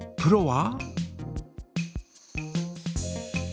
プロは？